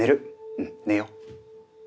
うん寝よう。